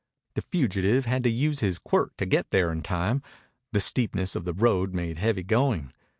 The fugitive had to use his quirt to get there in time. The steepness of the road made heavy going.